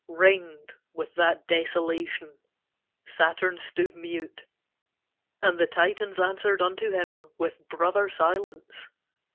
Ringed with that desolation, Saturn stood Mute, and the Titans answered unto him With brother silence.